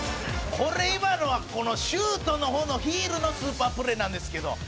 「これ今のはこのシュートの方のヒールのスーパープレーなんですけど」